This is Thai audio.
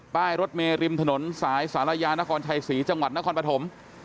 ป้ายรถเมริมถนนสายศาลายานครชัยศรีจังหวัดนครปฐม